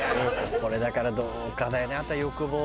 これだからどうかなあとは欲望でね。